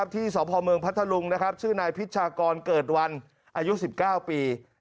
ที่สพเมืองพัทธลุงชื่อนายพิชากรเกิดวันอายุ๑๙ปี